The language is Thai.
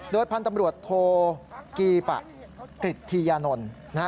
โดยพันธุ์ตำรวจโทรกีปะกฤทธิญานนทร์